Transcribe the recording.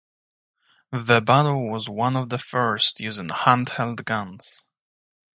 The battle was one of the first using hand-held guns.